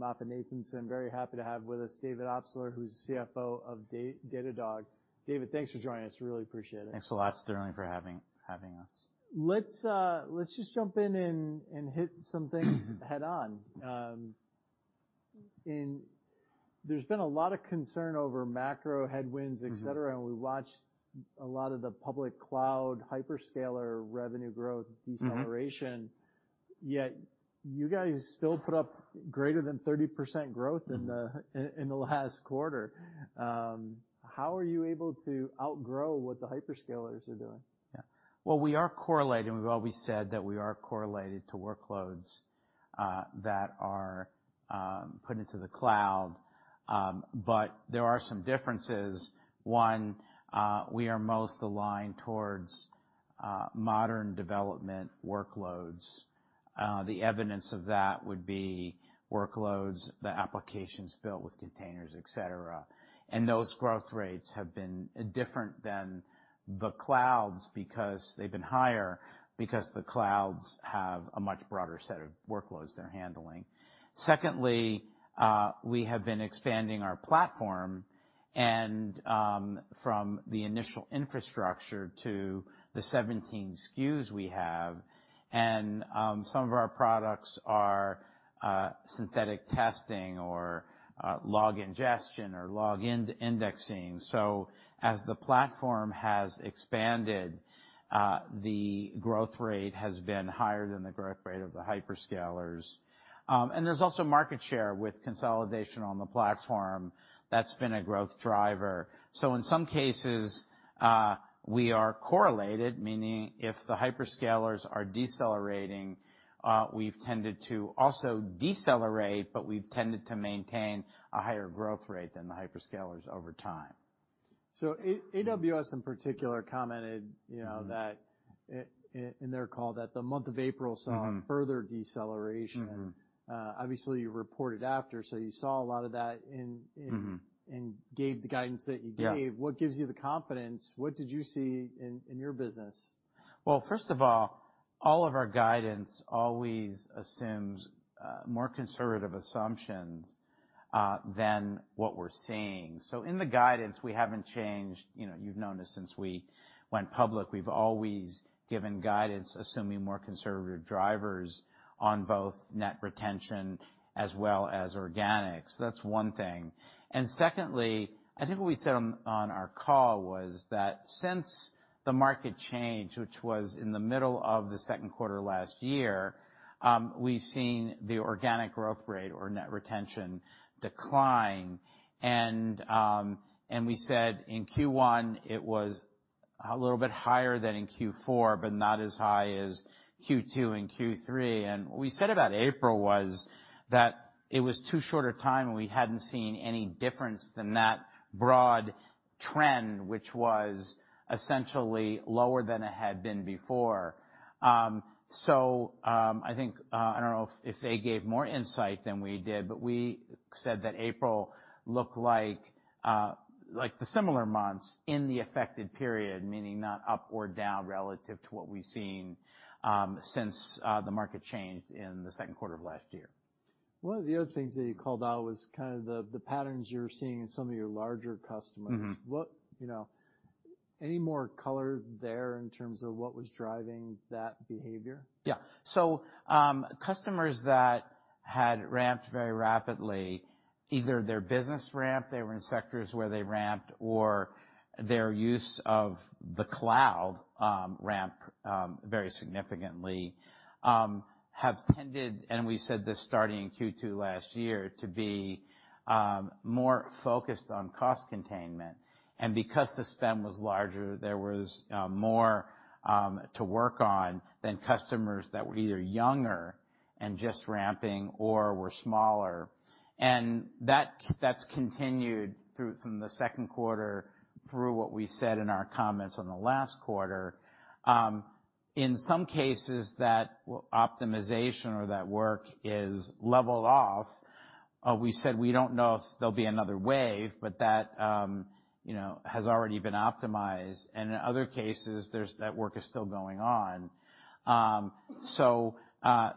MoffettNathanson. Very happy to have with us David Obstler, who's CFO of Datadog. David, thanks for joining us. Really appreciate it. Thanks a lot, Sterling, for having us. Let's just jump in and hit some things head-on. There's been a lot of concern over macro headwinds, et cetera, we watched a lot of the public cloud hyperscaler revenue growth deceleration. You guys still put up greater than 30% growth in the last quarter. How are you able to outgrow what the hyperscalers are doing? Yeah. Well, we are correlating. We've always said that we are correlated to workloads that are put into the cloud. There are some differences. One, we are most aligned towards modern development workloads. The evidence of that would be workloads, the applications built with containers, et cetera. Those growth rates have been different than the clouds because they've been higher, because the clouds have a much broader set of workloads they're handling. Secondly, we have been expanding our platform and from the initial infrastructure to the 17 SKUs we have. Some of our products are synthetic testing or log ingestion or login indexing. As the platform has expanded, the growth rate has been higher than the growth rate of the hyperscalers. There's also market share with consolidation on the platform. That's been a growth driver. In some cases, we are correlated, meaning if the hyperscalers are decelerating, we've tended to also decelerate, but we've tended to maintain a higher growth rate than the hyperscalers over time. AWS in particular commented, you know, that in their call that the month of April saw further deceleration. Obviously, you reported after, so you saw a lot of that in and gave the guidance that you gave. What gives you the confidence? What did you see in your business? Well, first of all of our guidance always assumes more conservative assumptions than what we're seeing. In the guidance, we haven't changed. You know, you've known us since we went public. We've always given guidance, assuming more conservative drivers on both net retention as well as organics. That's one thing. Secondly, I think what we said on our call was that since the market changed, which was in the middle of the Q2 last year, we've seen the organic growth rate or net retention decline. We said in Q1 it was a little bit higher than in Q4, but not as high as Q2 and Q3. What we said about April was that it was too short a time, and we hadn't seen any difference than that broad trend, which was essentially lower than it had been before. I think I don't know if they gave more insight than we did, but we said that April looked like the similar months in the affected period, meaning not up or down relative to what we've seen since the market changed in the Q2 of last year. One of the other things that you called out was kind of the patterns you're seeing in some of your larger customers. You know, any more color there in terms of what was driving that behavior? Yeah. Customers that had ramped very rapidly, either their business ramp, they were in sectors where they ramped or their use of the cloud ramp very significantly, have tended, and we said this starting in Q2 last year, to be more focused on cost containment. Because the spend was larger, there was more to work on than customers that were either younger and just ramping or were smaller. That's continued from the Q2 through what we said in our comments on the last quarter. In some cases, that optimization or that work is leveled off. We said we don't know if there'll be another wave, but that, you know, has already been optimized. In other cases, that work is still going on.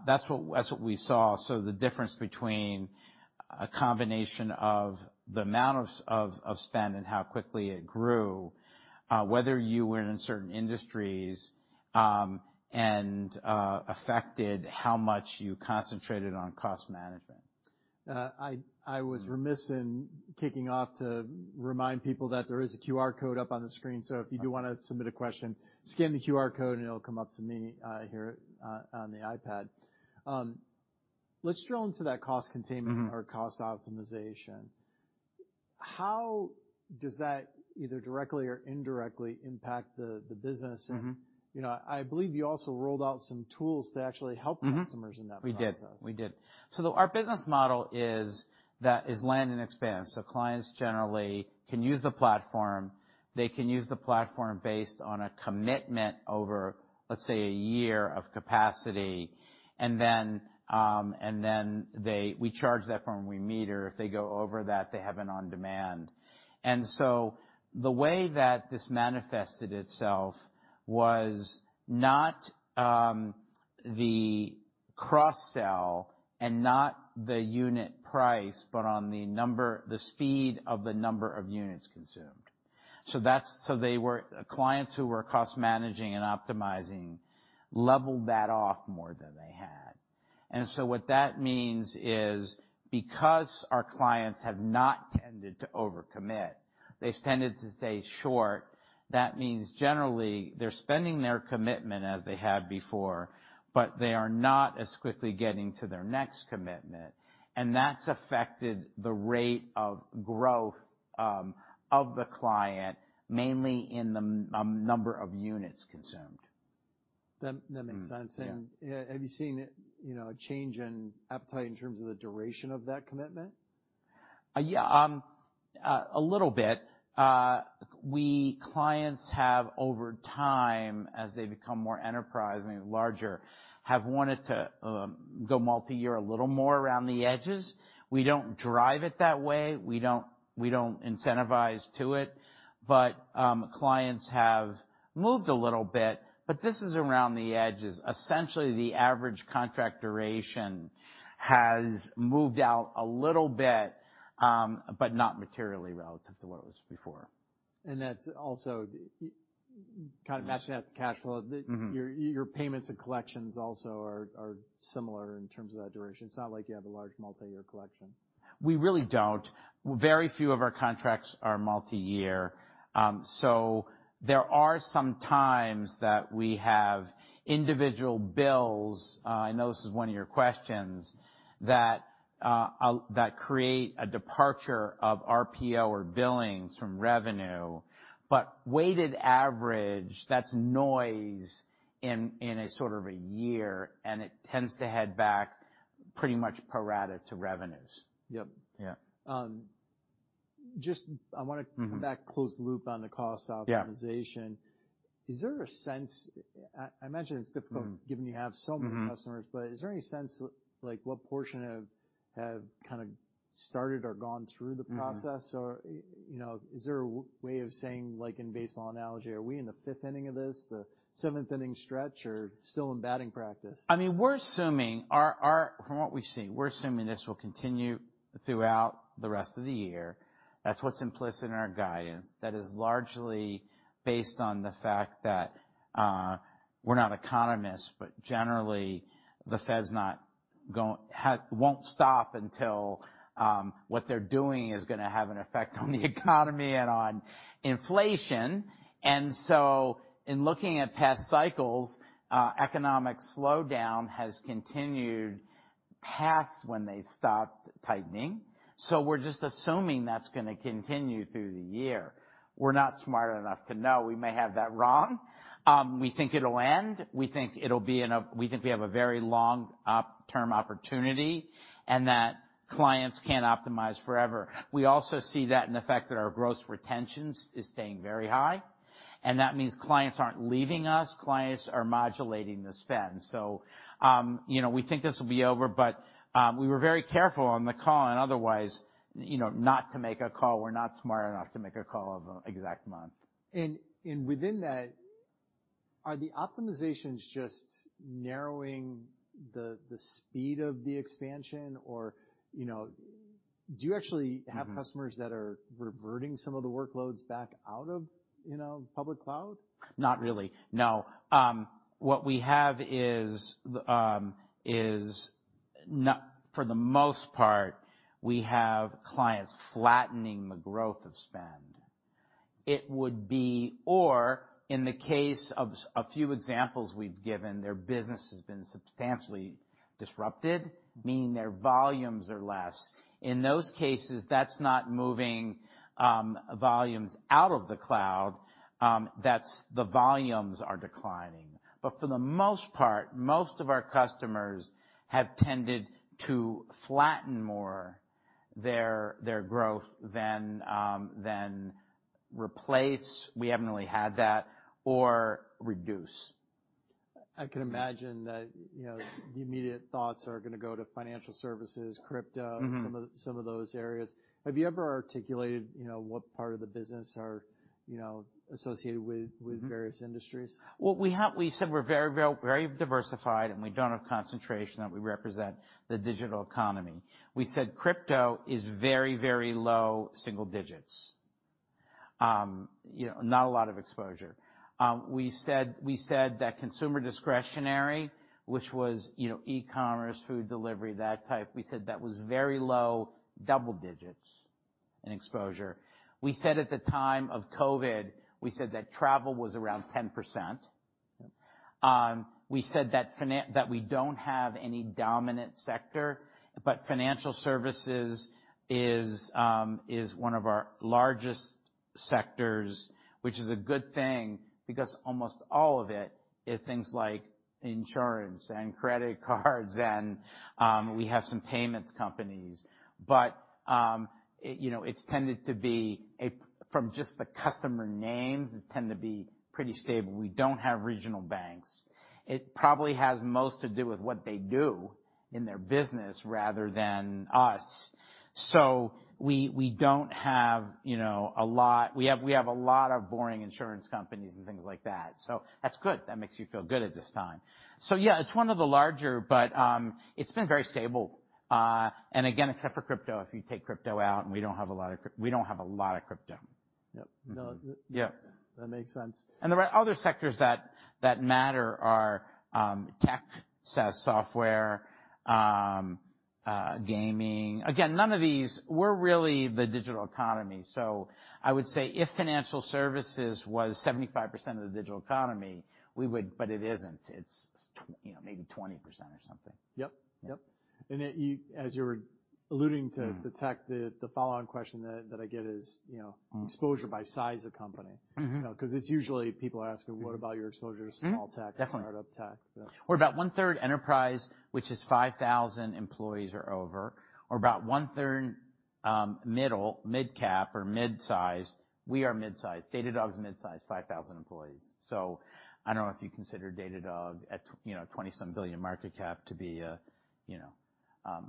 That's what we saw. The difference between a combination of the amount of spend and how quickly it grew, whether you were in certain industries, and affected how much you concentrated on cost management. I was remiss in kicking off to remind people that there is a QR code up on the screen. If you do wanna submit a question, scan the QR code, and it'll come up to me here on the iPad. Let's drill into that cost containment or cost optimization. How does that either directly or indirectly impact the business? You know, I believe you also rolled out some tools to actually help customers in that process. We did. Our business model is that is land and expand. Clients generally can use the platform. They can use the platform based on a commitment over, let's say, a year of capacity. We charge that from we meter. If they go over that, they have an on-demand. The way that this manifested itself was not the cross-sell and not the unit price, but on the speed of the number of units consumed. They were clients who were cost managing and optimizing level that off more than they had. What that means is, because our clients have not tended to over-commit, they've tended to stay short. That means generally they're spending their commitment as they had before, but they are not as quickly getting to their next commitment, and that's affected the rate of growth, of the client, mainly in the number of units consumed. That makes sense. Yeah. Have you seen, you know, a change in appetite in terms of the duration of that commitment? Yeah, a little bit. Clients have, over time, as they become more enterprising and larger, have wanted to go multi-year a little more around the edges. We don't drive it that way. We don't incentivize to it. Clients have moved a little bit, but this is around the edges. Essentially, the average contract duration has moved out a little bit, but not materially relative to what it was before. That's also you kinda matching that to cash flow. Your payments and collections also are similar in terms of that duration. It's not like you have a large multi-year collection. We really don't. Very few of our contracts are multi-year. There are some times that we have individual bills, I know this is one of your questions, that create a departure of RPO or billings from revenue. Weighted average, that's noise in a sort of a year, and it tends to head back pretty much pro rata to revenues. Yep. Yeah. Just I wanna come back, close the loop on the cost optimization. Is there a sense... I imagine it's difficult given you have so many customers. Is there any sense like what portion have kinda started or gone through the process? Or, you know, is there a way of saying, like in baseball analogy, are we in the fifth inning of this, the seventh inning stretch, or still in batting practice? I mean, we're assuming our from what we've seen, we're assuming this will continue throughout the rest of the year. That's what's implicit in our guidance. That is largely based on the fact that we're not economists, but generally the Fed won't stop until what they're doing is going to have an effect on the economy and on inflation. In looking at past cycles, economic slowdown has continued past when they stopped tightening, so we're just assuming that's going to continue through the year. We're not smart enough to know. We may have that wrong. We think it'll end. We think we have a very long-term opportunity, and that clients can't optimize forever. We also see that in the fact that our gross retention is staying very high, and that means clients aren't leaving us, clients are modulating the spend. You know, we think this will be over, but we were very careful on the call and otherwise, you know, not to make a call. We're not smart enough to make a call of an exact month. Within that, are the optimizations just narrowing the speed of the expansion? Or, you know, do you have customers that are reverting some of the workloads back out of, you know, public cloud? Not really, no. What we have is for the most part, we have clients flattening the growth of spend. Or in the case of a few examples we've given, their business has been substantially disrupted, meaning their volumes are less. In those cases, that's not moving, volumes out of the cloud, that's the volumes are declining. For the most part, most of our customers have tended to flatten more their growth than replace, we haven't really had that, or reduce. I can imagine that, you know, the immediate thoughts are gonna go to financial services, crypto, some of those areas. Have you ever articulated, you know, what part of the business are, you know, associated with, with various industries? Well, we said we're very well, very diversified, we don't have concentration, that we represent the digital economy. We said crypto is very, very low single digits. You know, not a lot of exposure. We said that consumer discretionary, which was, you know, e-commerce, food delivery, that type, we said that was very low double digits in exposure. We said at the time of COVID, we said that travel was around 10%. We said that we don't have any dominant sector, financial services is one of our largest sectors, which is a good thing because almost all of it is things like insurance and credit cards and we have some payments companies. It, you know, it's tended to be from just the customer names, it tend to be pretty stable. We don't have regional banks. It probably has most to do with what they do in their business rather than us. We don't have, you know, we have a lot of boring insurance companies and things like that. That's good. That makes you feel good at this time. Yeah, it's one of the larger, but it's been very stable. again, except for crypto, if you take crypto out, we don't have a lot of crypto. Yep. Mm-hmm. No. Yeah. That makes sense. The other sectors that matter are, tech, SaaS software, gaming. We're really the digital economy. I would say if financial services was 75% of the digital economy, it isn't. It's, you know, maybe 20% or something. Yep. yet as you're alluding to the tech, the follow-on question that I get is, you know, exposure by size of company. You know, 'cause its usually people asking what about your exposure to small tech. Definitely. Start-up tech. Yeah. We're about 1/3 enterprise, which is 5,000 employees or over. We're about 1/3 middle, midcap or midsize. We are midsize. Datadog's midsize, 5,000 employees. I don't know if you consider Datadog at you know, $27 billion market cap to be a, you know,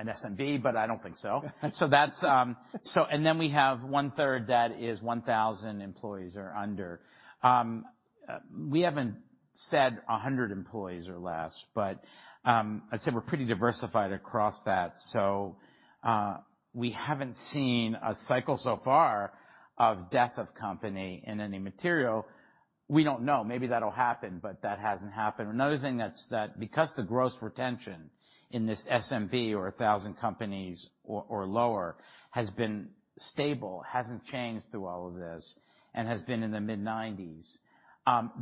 an SMB, but I don't think so. That's. We have 1/3 that is 1,000 employees or under. We haven't said 100 employees or less, but I'd say we're pretty diversified across that. We haven't seen a cycle so far of death of company in any material. We don't know. Maybe that'll happen, but that hasn't happened. Another thing that's because the gross retention in this SMB or 1,000 companies or lower has been stable, hasn't changed through all of this and has been in the mid-90s,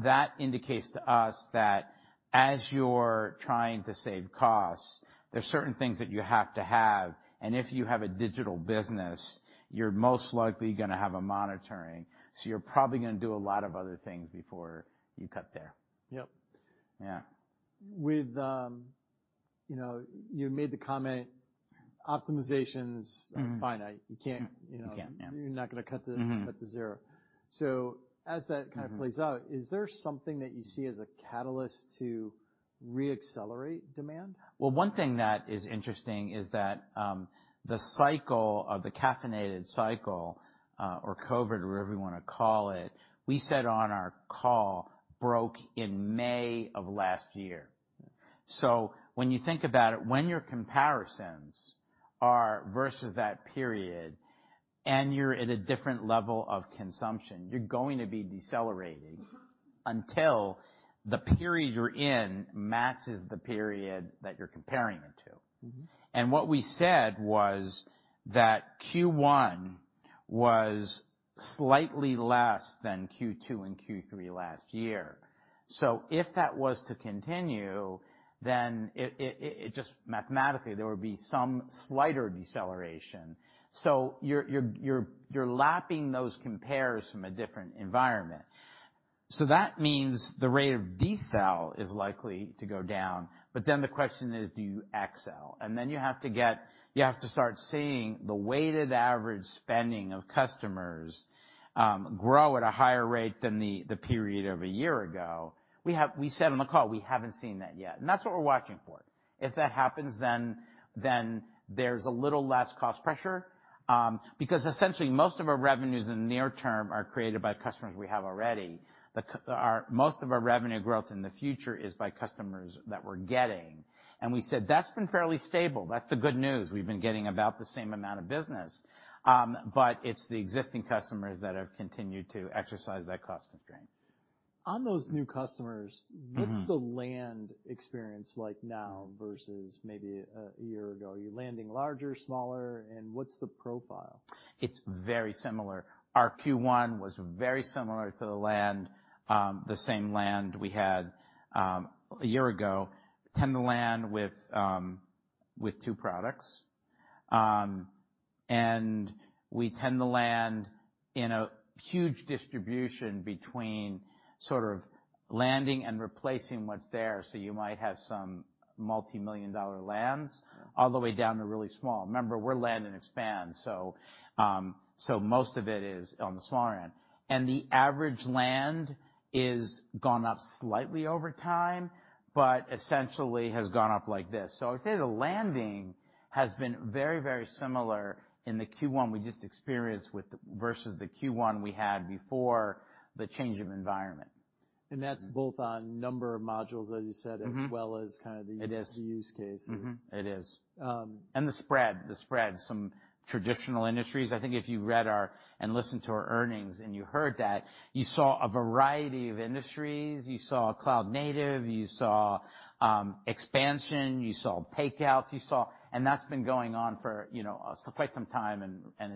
that indicates to us that as you're trying to save costs, there's certain things that you have to have. If you have a digital business, you're most likely gonna have a monitoring. You're probably gonna do a lot of other things before you cut there. Yep. Yeah. With, you know, you made the comment, optimizations are finite. You can't, you know. You can't. Yeah. You're not gonna cut, cut to zero. As it kind of plays out, is there something that you see as a catalyst to re-accelerate demand? Well, one thing that is interesting is that the cycle of the caffeinated cycle, or COVID, or whatever you wanna call it, we said on our call broke in May of last year. When you think about it, when your comparisons are versus that period, and you're at a different level of consumption, you're going to be decelerating until the period you're in matches the period that you're comparing it to. What we said was that Q1 was slightly less than Q2 and Q3 last year. If that was to continue, then it just mathematically, there would be some slighter deceleration. You're lapping those compares from a different environment. That means the rate of decel is likely to go down, but then the question is, do you accel? Then you have to start seeing the weighted average spending of customers grow at a higher rate than the period of a year ago. We said on the call, we haven't seen that yet, and that's what we're watching for. If that happens, then there's a little less cost pressure because essentially most of our revenues in the near term are created by customers we have already. Most of our revenue growth in the future is by customers that we're getting. We said that's been fairly stable. That's the good news. We've been getting about the same amount of business, but it's the existing customers that have continued to exercise that cost constraint. On those new customers, what's the land experience like now versus maybe a year ago? Are you landing larger, smaller, and what's the profile? It's very similar. Our Q1 was very similar to the land, the same land we had a year ago. Tend to land with two products. We tend to land in a huge distribution between sort of landing and replacing what's there. You might have some multimillion-dollar lands all the way down to really small. Remember, we're land and expand, so most of it is on the smaller end. The average land is gone up slightly over time, but essentially has gone up like this. I would say the landing has been very, very similar in the Q1 we just experienced versus the Q1 we had before the change of environment. That's both on number of modules, as you said, as well as kind of the use cases. Mm-hmm. It is. Um- The spread. Some traditional industries. I think if you read and listened to our earnings and you heard that, you saw a variety of industries, you saw cloud native, you saw expansion, you saw takeouts, you saw. That's been going on for, you know, so quite some time and,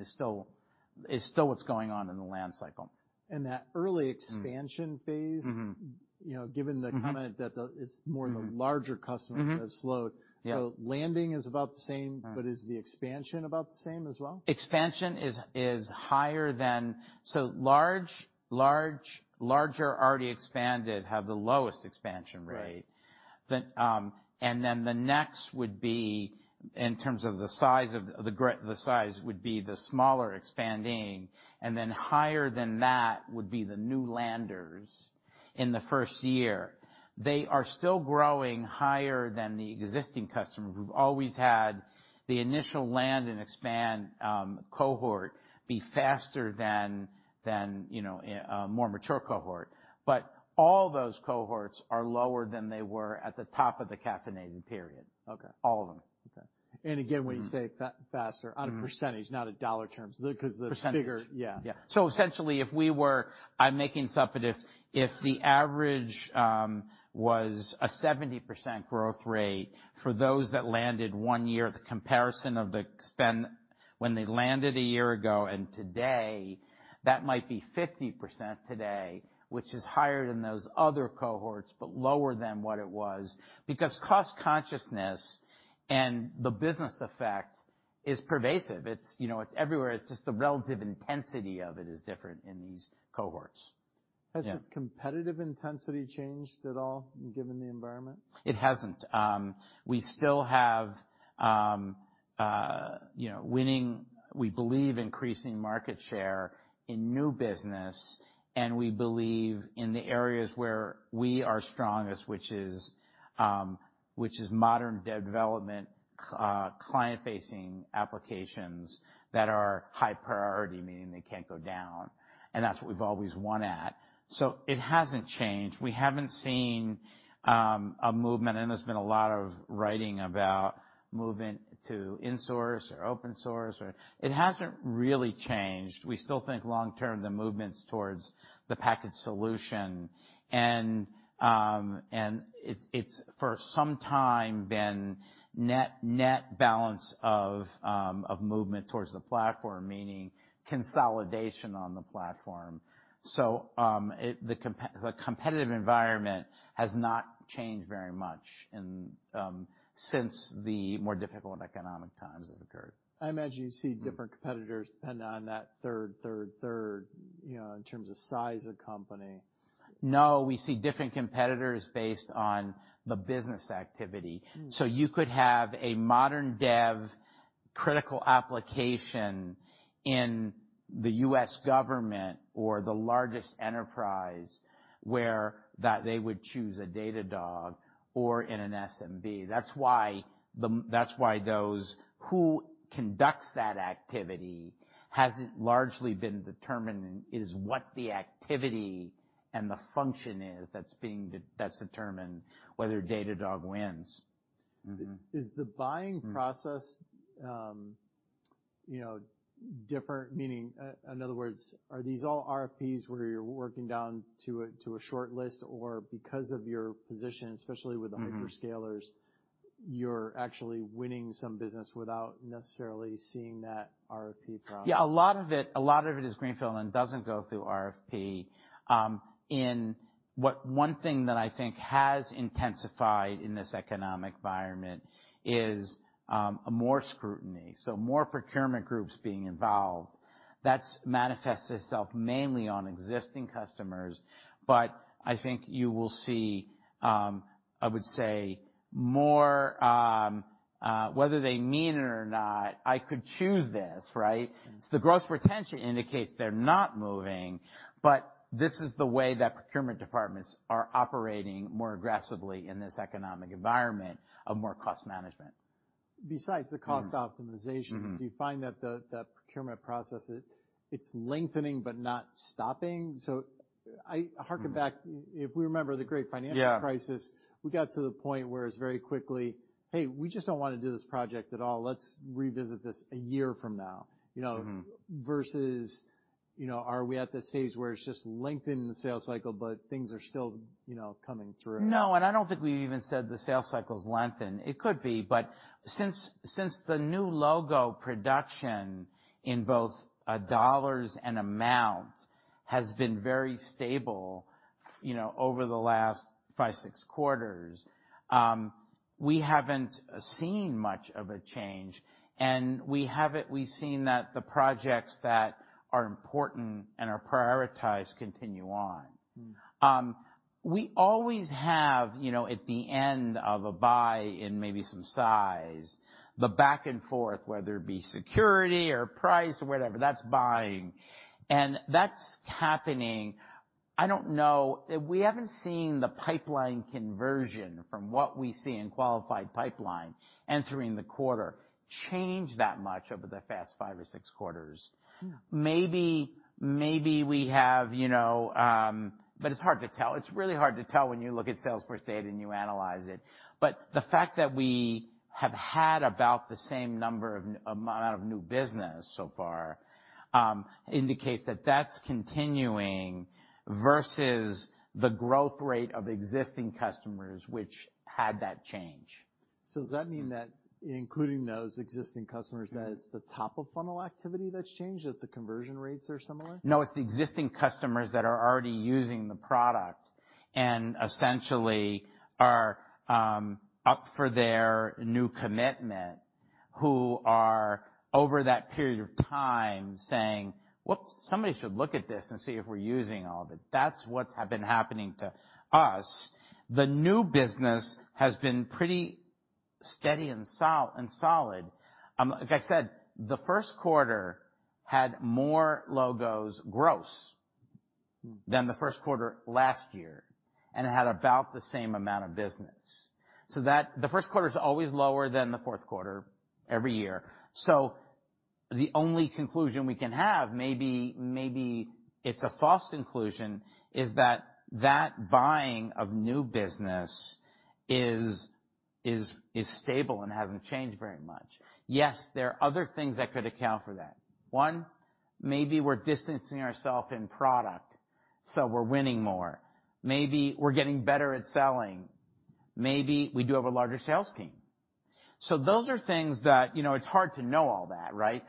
is still what's going on in the land cycle. That early expansion phase, you know, given the comment. It's more the larger customers have slowed. Yeah. Landing is about the same. Right. Is the expansion about the same as well? Expansion is higher than. Large, larger already expanded have the lowest expansion rate. Right. The next would be in terms of the size would be the smaller expanding, and then higher than that would be the new landers. In the first year. They are still growing higher than the existing customer. We've always had the initial land and expand cohort be faster than, you know, a more mature cohort. All those cohorts are lower than they were at the top of the caffeinating period. Okay. All of them. Okay. again, when you say faster, on a percentage, not a dollar terms, because the figure- Percentage. Yeah. Yeah. Essentially, if we were I'm making something up. If the average was a 70% growth rate for those that landed one year, the comparison of the spend when they landed a year ago and today, that might be 50% today, which is higher than those other cohorts, but lower than what it was. Cost consciousness and the business effect is pervasive. It's, you know, it's everywhere. It's just the relative intensity of it is different in these cohorts. Yeah. Has the competitive intensity changed at all, given the environment? It hasn't. We still have, you know, winning, we believe, increasing market share in new business and we believe in the areas where we are strongest, which is modern dev development, client-facing applications that are high priority, meaning they can't go down. That's what we've always won at. It hasn't changed. We haven't seen a movement, and there's been a lot of writing about moving to insource or open source or. It hasn't really changed. We still think long-term, the movement's towards the package solution. It's for some time been net balance of movement towards the platform, meaning consolidation on the platform. The competitive environment has not changed very much in since the more difficult economic times have occurred. I imagine you see different competitors depending on that third, you know, in terms of size of company. No, we see different competitors based on the business activity. You could have a modern dev critical application in the US government or the largest enterprise where they would choose a Datadog or in an SMB. Who conducts that activity hasn't largely been determined. It is what the activity and the function is that's determined whether Datadog wins. Is the buying process, you know, different? Meaning, in other words, are these all RFPs where you're working down to a shortlist, or because of your position, especially with the hyperscalers, you're actually winning some business without necessarily seeing that RFP process? Yeah. A lot of it, a lot of it is greenfield and doesn't go through RFP. One thing that I think has intensified in this economic environment is more scrutiny, so more procurement groups being involved. That's manifests itself mainly on existing customers. I think you will see, I would say more, whether they mean it or not, I could choose this, right? The gross retention indicates they're not moving, but this is the way that procurement departments are operating more aggressively in this economic environment of more cost management. Besides the cost optimization, do you find that the procurement process, it's lengthening but not stopping? I hearken back, if we remember the Great Financial Crisis. Yeah. We got to the point where it's very quickly, "Hey, we just don't wanna do this project at all. Let's revisit this a year from now." You know, versus, you know, are we at the stage where it's just lengthening sales cycle, but things are still, you know, coming through? No. I don't think we even said the sales cycle is lengthen. It could be. Since the new logo production in both, dollars and amount has been very stable, you know, over the last five, six quarters, we haven't seen much of a change, and we've seen that the projects that are important and are prioritized continue on. We always have, you know, at the end of a buy in maybe some size, the back and forth, whether it be security or price or whatever, that's buying. That's happening. I don't know. We haven't seen the pipeline conversion from what we see in qualified pipeline entering the quarter change that much over the fast five or six quarters. Maybe we have, you know, but it's hard to tell. It's really hard to tell when you look at Salesforce data and you analyze it. The fact that we have had about the same number of amount of new business so far indicates that that's continuing versus the growth rate of existing customers which had that change. Does that mean that including those existing customers, that it's the top of funnel activity that's changed, that the conversion rates are similar? No. It's the existing customers that are already using the product and essentially are up for their new commitment who are over that period of time saying, "Whoop, somebody should look at this and see if we're using all of it." That's what's been happening to us. The new business has been steady and solid. Like I said, the first quarter had more logos gross than the first quarter last year, and it had about the same amount of business. The Q1 is always lower than the Q4 every year. The only conclusion we can have, maybe it's a false conclusion, is that that buying of new business is stable and hasn't changed very much. Yes, there are other things that could account for that. One, maybe we're distancing ourselves in product, so we're winning more. Maybe we're getting better at selling. Maybe we do have a larger sales team. Those are things that, you know, it's hard to know all that, right?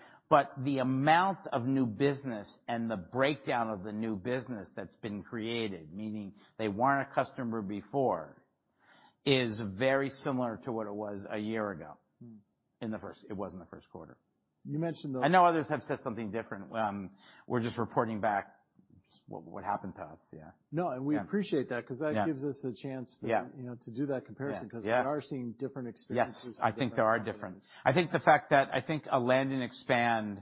The amount of new business and the breakdown of the new business that's been created, meaning they weren't a customer before, is very similar to what it was a year ago. It was in the Q1. You mentioned, though- I know others have said something different. We're just reporting back just what happened to us. Yeah. No, we appreciate that cause that gives us a chance to, you know, to do that comparison 'cause we are seeing different experiences with different companies. Yes. I think there are difference. I think the fact that, I think a land and expand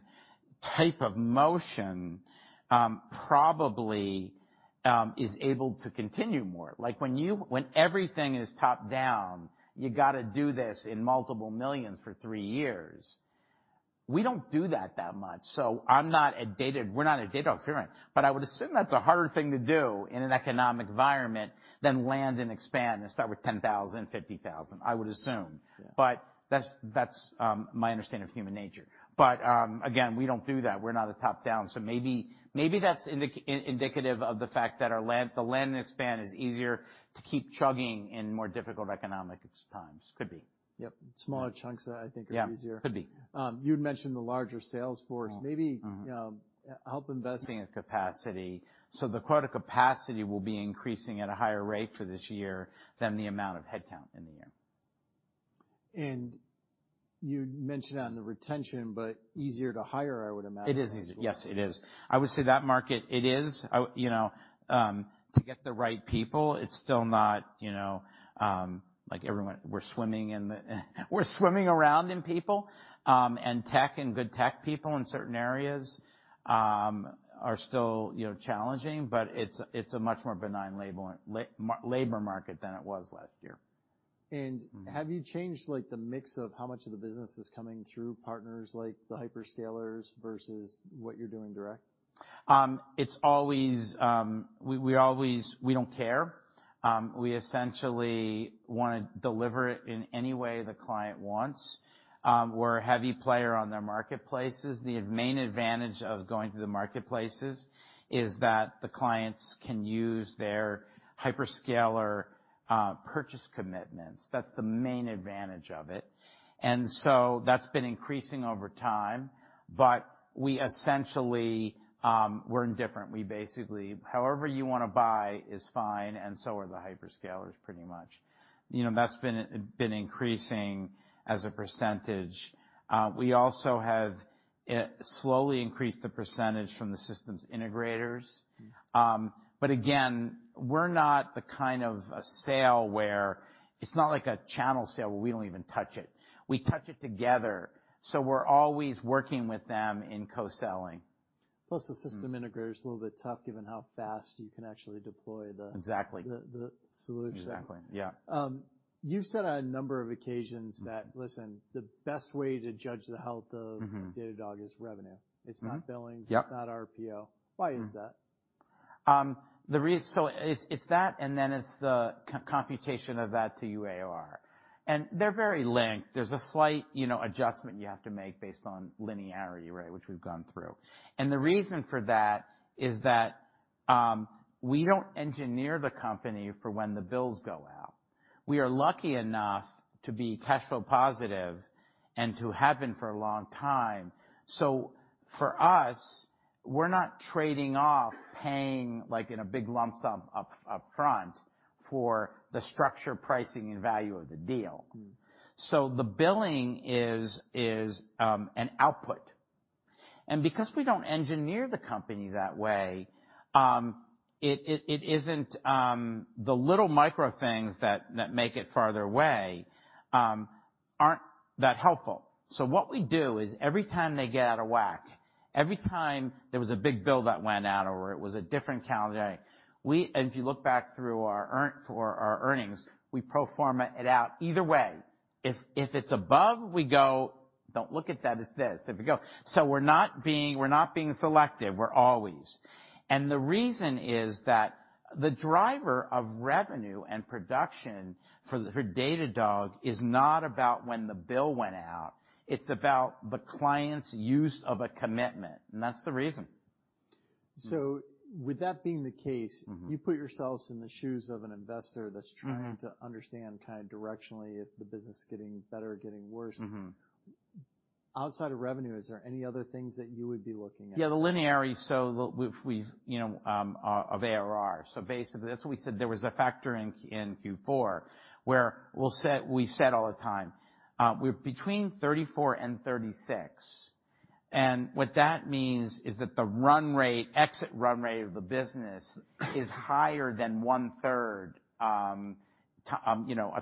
type of motion, probably, is able to continue more. Like, when everything is top-down, you gotta do this in multiple millions for three years. We don't do that that much, so We're not a data observant, but I would assume that's a harder thing to do in an economic environment than land and expand and start with $10,000, $50,000, I would assume. Yeah. That's my understanding of human nature. Again, we don't do that. We're not a top-down, so maybe that's indicative of the fact that our land, the land and expand is easier to keep chugging in more difficult economic times. Could be. Yep, smaller chunks, I think, are easier. Yeah. Could be. You'd mentioned the larger Salesforce. Help investing at capacity. The quota capacity will be increasing at a higher rate for this year than the amount of headcount in the year. You'd mentioned on the retention but easier to hire, I would imagine, as well. It is easier. Yes, it is. I would say that market, it is. I, you know, to get the right people, it's still not, you know. We're swimming around in people, and tech and good tech people in certain areas, are still, you know, challenging, but it's a much more benign labor market than it was last year. Have you changed, like, the mix of how much of the business is coming through partners like the hyperscalers versus what you're doing direct? It's always. We don't care. We essentially wanna deliver it in any way the client wants. We're a heavy player on their marketplaces. The main advantage of going through the marketplaces is that the clients can use their hyperscaler purchase commitments. That's the main advantage of it. That's been increasing over time, but we essentially, we're indifferent. We basically, however you wanna buy is fine, and so are the hyperscalers pretty much. You know, that's been increasing as a percentage. We also have slowly increased the percentage from the systems integrators. Again, we're not the kind of a sale where it's not like a channel sale where we don't even touch it. We touch it together, we're always working with them in co-selling. The system integrator is a little bit tough given how fast you can actually deploy the solution. Exactly, yeah. You've said on a number of occasions that, listen, the best way to judge Datadog is revenue. It's not billings, it's not RPO. Why is that? It's that, and then it's the co-computation of that to ARR, and they're very linked. There's a slight, you know, adjustment you have to make based on linearity, right? Which we've gone through. The reason for that is that we don't engineer the company for when the bills go out. We are lucky enough to be cash flow positive and to have been for a long time. For us, we're not trading off paying, like in a big lump sum up front for the structure, pricing, and value of the deal. Mm. The billing is an output. Because we don't engineer the company that way, it isn't. The little micro things that make it farther away aren't that helpful. What we do is every time they get out of whack, every time there was a big bill that went out or it was a different calendar day, and if you look back through our earnings, we pro forma it out either way. If it's above, we go, "Don't look at that as this." If we go. We're not being selective, we're always. The reason is that the driver of revenue and production for Datadog is not about when the bill went out, it's about the client's use of a commitment, and that's the reason. With that being the case, you put yourselves in the shoes of an investor that's trying to understand kinda directionally if the business is getting better or getting worse outside of revenue, is there any other things that you would be looking at? Yeah, the linear is so we've, you know, of ARR. Basically, that's what we said. There was a factor in Q4 where we set all the time. We're between 34 and 36. What that means is that the run rate, exit run rate of the business is higher than 1/3, you know,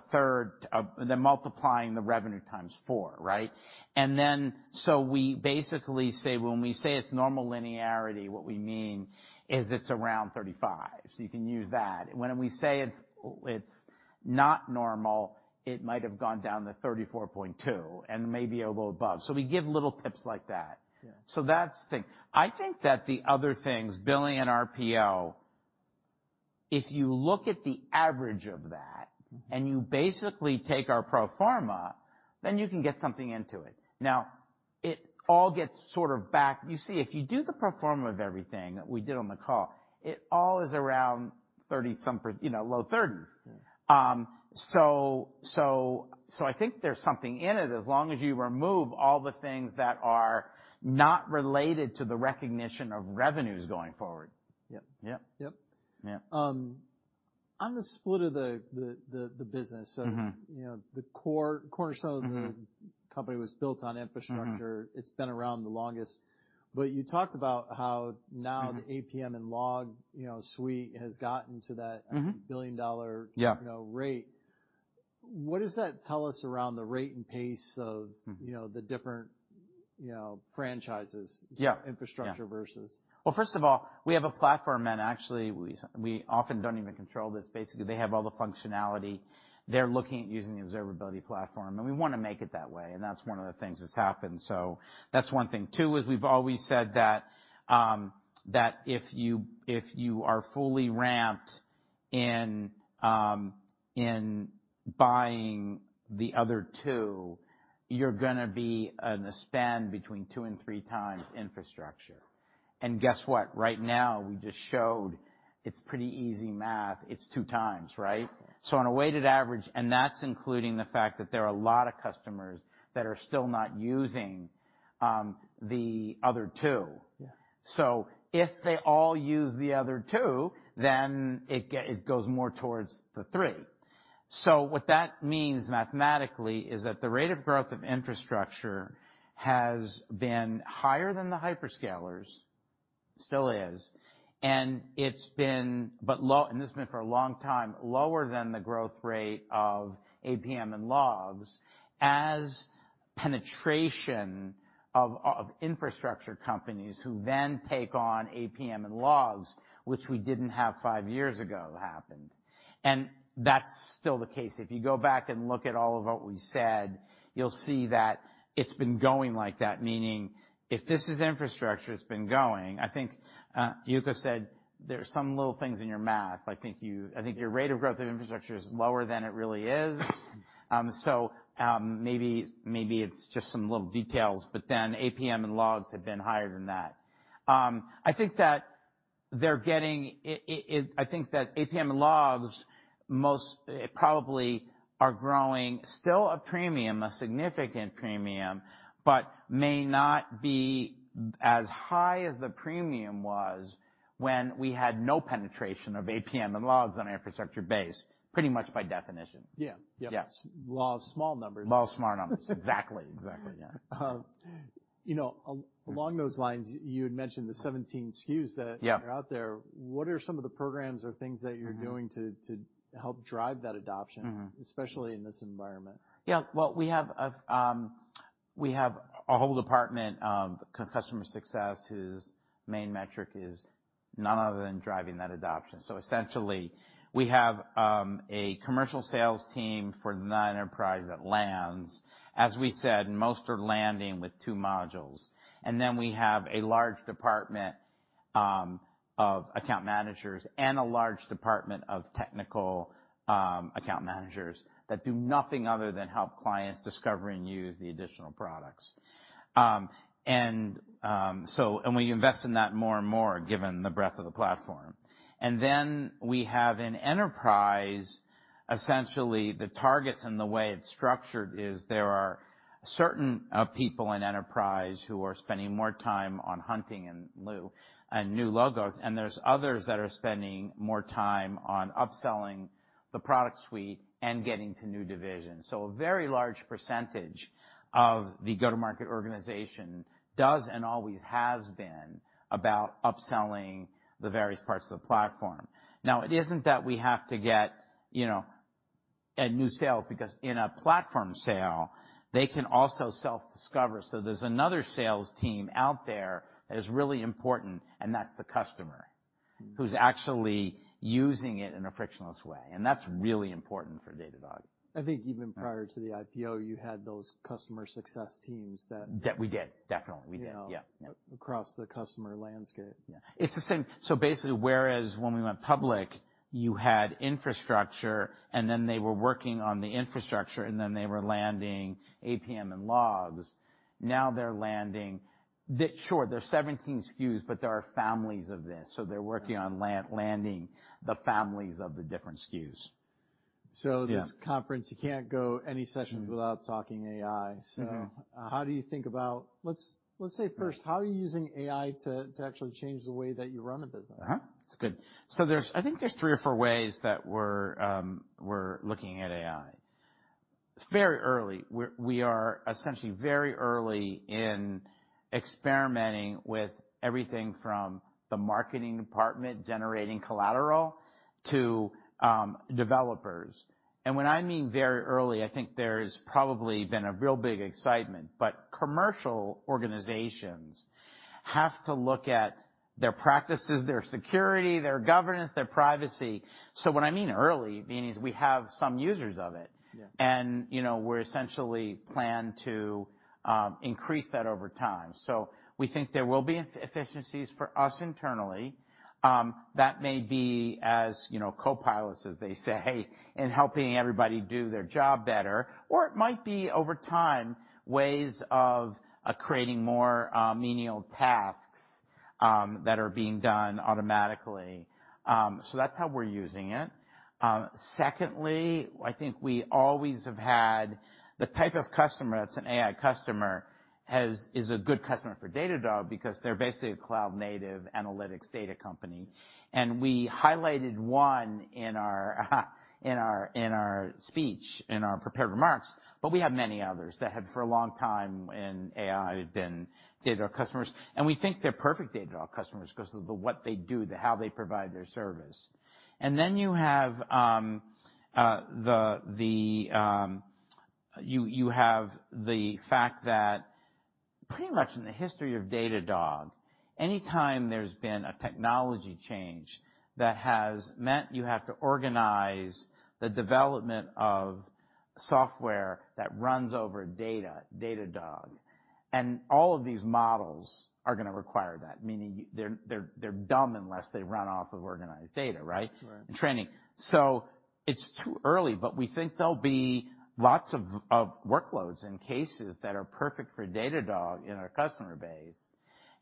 then multiplying the revenue times 4, right? We basically say when we say it's normal linearity, what we mean is it's around 35. You can use that. When we say it's not normal, it might have gone down to 34.2 and maybe a little above. We give little tips like that. Yeah. That's the thing. I think that the other things, billing and RPO, if you look at the average of that, and you basically take our pro forma, then you can get something into it. It all gets sort of back. You see, if you do the pro forma of everything that we did on the call, it all is around 30 some, you know, low 30s. I think there's something in it as long as you remove all the things that are not related to the recognition of revenues going forward. Yep. Yeah. Yep. Yeah. On the split of the business, you know, the cornerstone of the company was built on infrastructure. It's been around the longest. You talked about how the APM and log, you know, suite has gotten to $1 billion, you know, rate. What does that tell us around the rate and pace of, you know, the different, you know, franchises, infrastructure versus? First of all, we have a platform, and actually we often don't even control this. Basically, they have all the functionality. They're looking at using the observability platform, and we wanna make it that way, and that's one of the things that's happened. That's one thing. Two is we've always said that if you, if you are fully ramped in buying the other two, you're gonna be on a spend between two and three times infrastructure. Guess what? Right now, we just showed it's pretty easy math, it's two times, right? On a weighted average, and that's including the fact that there are a lot of customers that are still not using the other two. Yeah. If they all use the other two, then it goes more towards the three. What that means mathematically is that the rate of growth of infrastructure has been higher than the hyperscalers. Still is. It's been, but this has been for a long time, lower than the growth rate of APM and logs as penetration of infrastructure companies who then take on APM and logs, which we didn't have five years ago happened. That's still the case. If you go back and look at all of what we said, you'll see that it's been going like that, meaning if this is infrastructure, it's been going. I think Yuka said there are some little things in your math. I think your rate of growth of infrastructure is lower than it really is. Maybe, maybe it's just some little details, APM and logs have been higher than that. I think that they're getting I think that APM and logs most probably are growing still a premium, a significant premium, may not be as high as the premium was when we had no penetration of APM and logs on infrastructure base, pretty much by definition. Yeah. Yep. Yes. Log small numbers. Log small numbers. Exactly. Exactly, yeah. You know, along those lines, you had mentioned the 17 SKUs are out there. What are some of the programs or things that doing to help drive that adoption especially in this environment? Well, we have a whole department of customer success whose main metric is none other than driving that adoption. Essentially, we have a commercial sales team for the non-enterprise that lands. As we said, most are landing with two modules. Then we have a large department of account managers and a large department of technical account managers that do nothing other than help clients discover and use the additional products. We invest in that more and more given the breadth of the platform. Then we have in enterprise, essentially the targets and the way it's structured is there are certain people in enterprise who are spending more time on hunting and new logos, and there's others that are spending more time on upselling the product suite and getting to new divisions. A very large percentage of the go-to-market organization does and always has been about upselling the various parts of the platform. It isn't that we have to get, you know, a new sales, because in a platform sale, they can also self-discover. There's another sales team out there that is really important, and that's the customer who's actually using it in a frictionless way, and that's really important for Datadog. I think even prior to the IPO, you had those customer success teams. That we did. Definitely, we did. Yeah. Yeah. Across the customer landscape. Yeah. It's the same. Basically, whereas when we went public, you had infrastructure, and then they were working on the infrastructure, and then they were landing APM and logs. Now they're landing... Sure, there's 17 SKUs, but there are families of this, so they're working on landing the families of the different SKUs. This conference, you can't go any sessions without talking AI. How do you think about... Let's say first, how are you using AI to actually change the way that you run a business? It's good. I think there's three or four ways that we're we're looking at AI. It's very early. We are essentially very early in experimenting with everything from the marketing department generating collateral to developers. When, I mean very early, I think there's probably been a real big excitement. Commercial organizations have to look at their practices, their security, their governance, their privacy. When I mean early, meaning we have some users of it. Yeah. You know, we're essentially plan to increase that over time. We think there will be inefficiencies for us internally that may be, as you know, copilots, as they say, in helping everybody do their job better, or it might be over time, ways of creating more menial tasks that are being done automatically. That's how we're using it. Secondly, I think we always have had the type of customer that's an AI customer is a good customer for Datadog because they're basically a cloud-native analytics data company. We highlighted one in our speech, in our prepared remarks, but we have many others that had, for a long time in AI, been Datadog customers. We think they're perfect Datadog customers 'cause of what they do, how they provide their service. You have the fact that pretty much in the history of Datadog, any time there's been a technology change that has meant you have to organize the development of software that runs over data, Datadog. All of these models are gonna require that. Meaning they're dumb unless they run off of organized data, right? Right. Training. It's too early, but we think there'll be lots of workloads and cases that are perfect for Datadog in our customer base.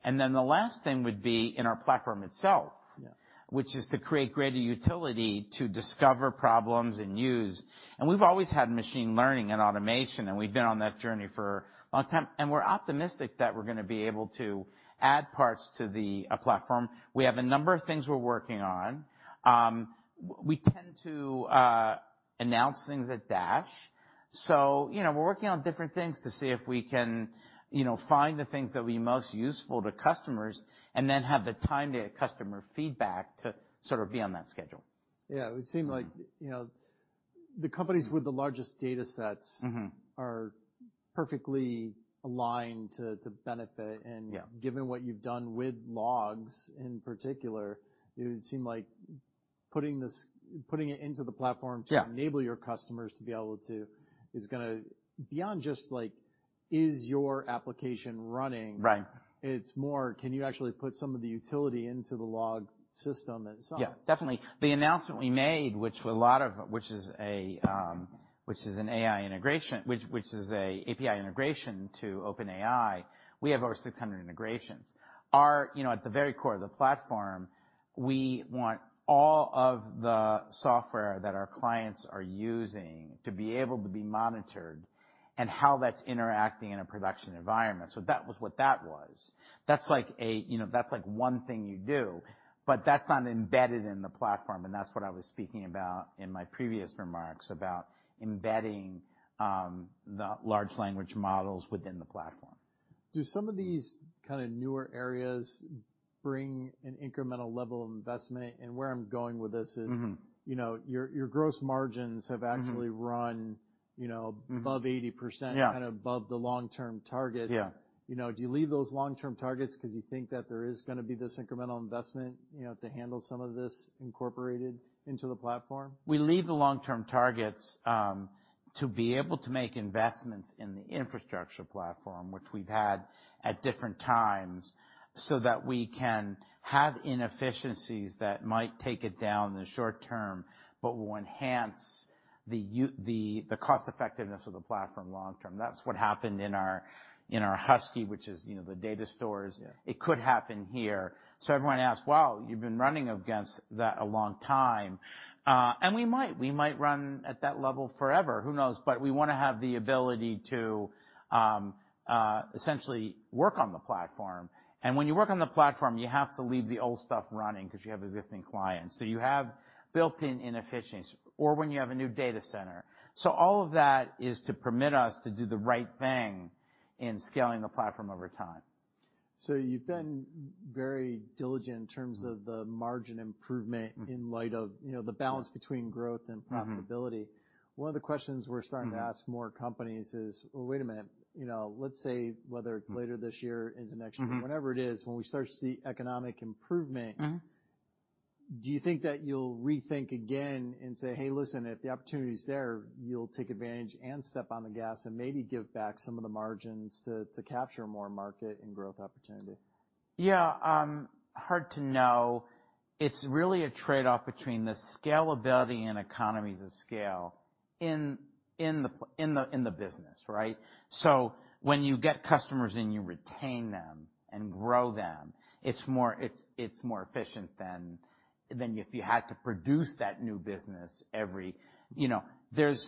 The last thing would be in our platform itself. Yeah. Which is to create greater utility to discover problems and use. We've always had machine learning and automation, and we've been on that journey for a long time, and we're optimistic that we're gonna be able to add parts to the platform. We have a number of things we're working on. We tend to announce things at DASH. You know, we're working on different things to see if we can, you know, find the things that will be most useful to customers and then have the time to get customer feedback to sort of be on that schedule. Yeah. It would seem like, you know, the companies with the largest data sets are perfectly aligned to benefit. Yeah. Given what you've done with logs, in particular, it would seem like putting it into the platform to enable your customers to be able to Beyond just, like, is your application running, it's more, can you actually put some of the utility into the log system itself? Yeah, definitely. The announcement we made, which is an API integration to OpenAI, we have over 600 integrations. Our, you know, at the very core of the platform, we want all of the software that our clients are using to be able to be monitored and how that's interacting in a production environment. That was what that was. That's like a, you know, that's like one thing you do, but that's not embedded in the platform, and that's what I was speaking about in my previous remarks, about embedding the large language models within the platform. Do some of these kinda newer areas bring an incremental level of investment? Where I'm going with this. You know, your gross margins have actually run, you know, above 80%, kind of above the long-term target. Yeah. You know, do you leave those long-term targets 'cause you think that there is gonna be this incremental investment, you know, to handle some of this incorporated into the platform? We leave the long-term targets to be able to make investments in the infrastructure platform, which we've had at different times, so that we can have inefficiencies that might take it down in the short term, but will enhance the cost-effectiveness of the platform long term. That's what happened in our, in our Husky, which is, you know, the data stores. Yeah. It could happen here. Everyone asks, "Wow, you've been running against that a long time." And we might. We might run at that level forever, who knows? We wanna have the ability to, essentially work on the platform. When you work on the platform, you have to leave the old stuff running 'cause you have existing clients. You have built-in inefficiencies. When you have a new data center. All of that is to permit us to do the right thing in scaling the platform over time. You've been very diligent in terms of the margin improvement in light of, you know, the balance between growth and profitability. One of the questions we're starting to ask more companies is, well, wait a minute, you know, let's say whether it's later this year into next year, whatever it is, when we start to see economic improvement. Do you think that you'll rethink again and say, "Hey, listen, if the opportunity is there," you'll take advantage and step on the gas and maybe give back some of the margins to capture more market and growth opportunity? Yeah. Hard to know. It's really a trade-off between the scalability and economies of scale in the business, right? When you get customers and you retain them and grow them, it's more efficient than if you had to produce that new business every... You know, there's,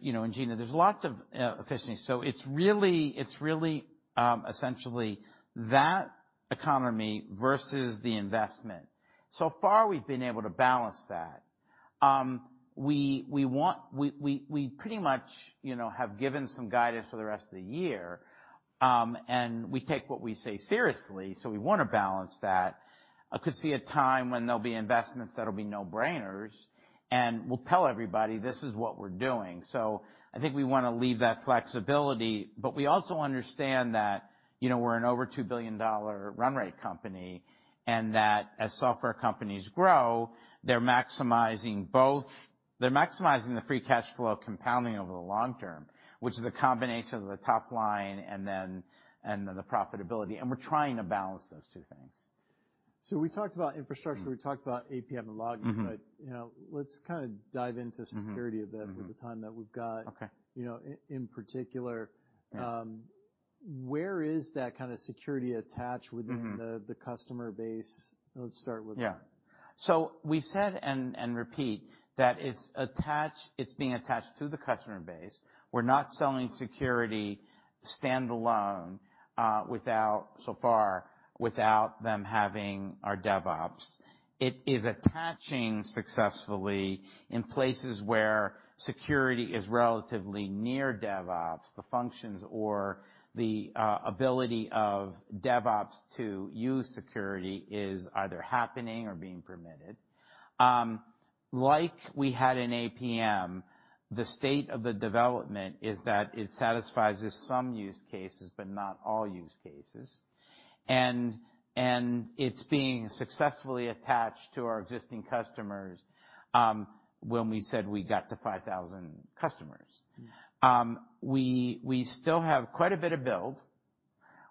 you know, and do you know, there's lots of efficiency. It's really essentially that economy versus the investment. So far, we've been able to balance that. We pretty much, you know, have given some guidance for the rest of the year, and we take what we say seriously, we wanna balance that. I could see a time when there'll be investments that'll be no-brainers, and we'll tell everybody, "This is what we're doing." I think we wanna leave that flexibility, but we also understand that, you know, we're an over $2 billion run rate company and that as software companies grow, they're maximizing the free cash flow compounding over the long term, which is a combination of the top line and then the profitability, and we're trying to balance those two things. We talked about infrastructure, we talked about APM and logging. You know, let's kind of dive into security a bit with the time that we've got. Okay. You know, in particular, where is that kind of security attached within the customer base? Let's start with that. Yeah. We said, and repeat that it's being attached to the customer base. We're not selling security standalone, so far, without them having our DevOps. It is attaching successfully in places where security is relatively near DevOps, the functions or the ability of DevOps to use security is either happening or being permitted. Like we had in APM, the state of the development is that it satisfies some use cases, but not all use cases. It's being successfully attached to our existing customers, when we said we got to 5,000 customers. We still have quite a bit of build.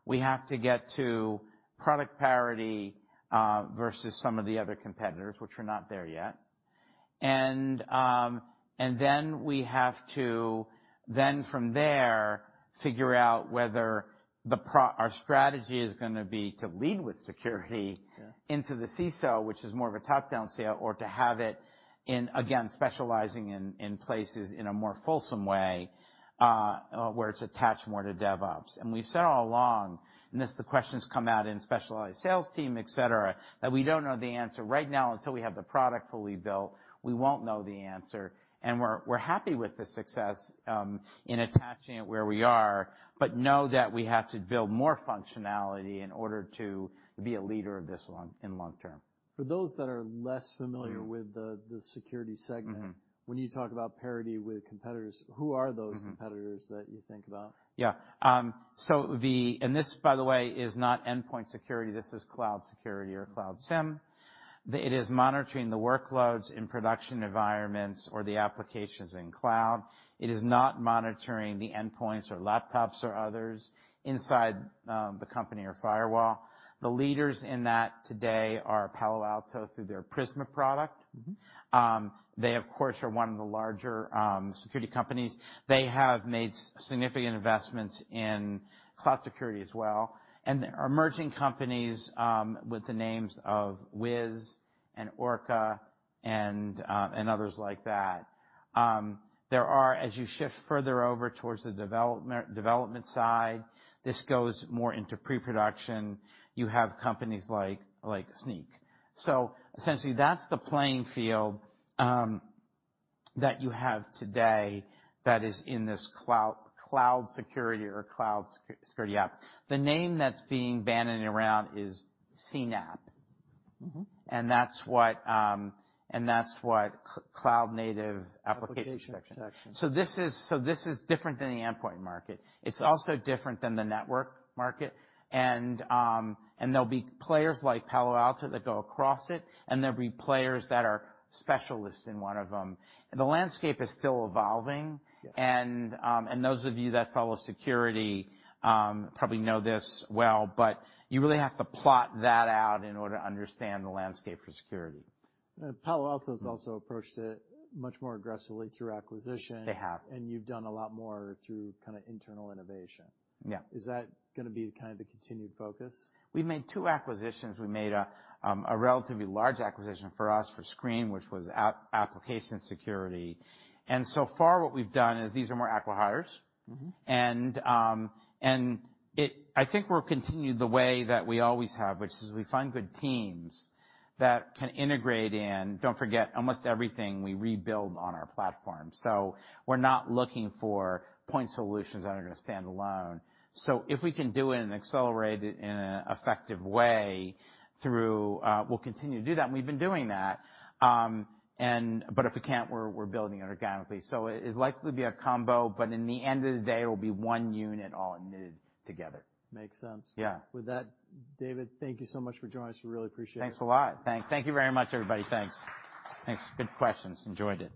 We have to get to product parity versus some of the other competitors which are not there yet. Then we have to then from there figure out whether the, our strategy is gonna be to lead with security into the CISO, which is more of a top-down sale, or to have it in, again, specializing in places in a more fulsome way, where it's attached more to DevOps. We've said all along, and as the questions come out in specialized sales team, et cetera, that we don't know the answer right now until we have the product fully built, we won't know the answer, and we're happy with the success in attaching it where we are, but know that we have to build more functionality in order to be a leader of this long, in long term. For those that are less familiar with the security segment. When you talk about parity with competitors, who are those competitors that you think about? Yeah. This, by the way, is not endpoint security. This is cloud security or cloud SIEM. It is monitoring the workloads in production environments or the applications in cloud. It is not monitoring the endpoints or laptops or others inside the company or firewall. The leaders in that today are Palo Alto through their Prisma product. They, of course, are one of the larger security companies. They have made significant investments in cloud security as well. There are emerging companies with the names of Wiz and Orca and others like that. There are, as you shift further over towards the development side, this goes more into pre-production. You have companies like Snyk. Essentially, that's the playing field that you have today that is in this cloud security or cloud security app. The name that's being bandied around is CNAPP. That's what, and that's what cloud-native application protection platform. Application protection. This is different than the endpoint market. It's also different than the network market. There'll be players like Palo Alto that go across it, and there'll be players that are specialists in one of them. The landscape is still evolving. Yes. Those of you that follow security, probably know this well, but you really have to plot that out in order to understand the landscape for security. Palo Alto's also approached it much more aggressively through acquisition. They have. You've done a lot more through kind of internal innovation. Yeah. Is that gonna be kind of the continued focus? We made two acquisitions. We made a relatively large acquisition for us for SQreen, which was application security. So far what we've done is these are more acquihires. I think we'll continue the way that we always have, which is we find good teams that can integrate in. Don't forget, almost everything we rebuild on our platform. We're not looking for point solutions that are gonna stand alone. If we can do it and accelerate it in an effective way through, we'll continue to do that, and we've been doing that. But if we can't, we're building it organically. It's likely to be a combo, but in the end of the day, it'll be one unit all knitted together. Makes sense. Yeah. With that, David, thank you so much for joining us. We really appreciate it. Thanks a lot. Thank you very much, everybody. Thanks. Good questions. Enjoyed it.